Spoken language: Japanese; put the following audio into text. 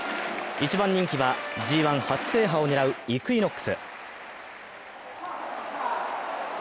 一番人気はＧⅠ初制覇を狙うイクイノックス。